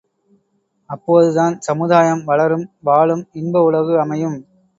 அப்போதுதான் சமுதாயம் வளரும் வாழும் இன்பஉலகு அமையும்.